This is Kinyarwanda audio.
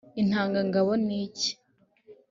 intanga ngabo ni iki ‽